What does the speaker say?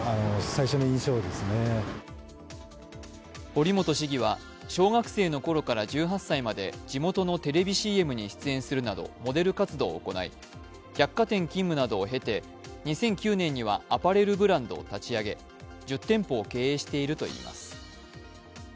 堀本市議は小学生のころから１８歳まで、地元のテレビＣＭに出演するなどモデル活動を行い、百貨店勤務などを経て２００９年にはアパレルブランドを立ち上げ１０店舗を経営しているといいます。